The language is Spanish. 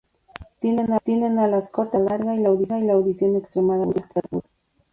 Tienen alas cortas y cola larga y la audición extremadamente aguda.